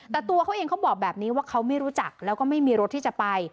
แต่ตัวเขาเองเขาบอกแบบนี้ว่าเขาไม่รู้จักแล้วก็ไม่มีรถที่จะไป